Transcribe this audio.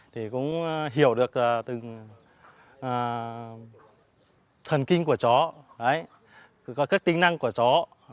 thì cũng hiểu được từng thần kinh của chó các tính năng của chó